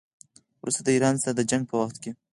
وروسته د ایران سره د جنګ په وخت کې.